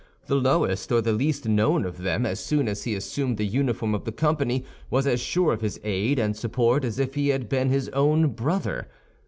The lowest or the least known of them, as soon as he assumed the uniform of the company, was as sure of his aid and support as if he had been his own brother.